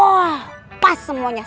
wah pas semuanya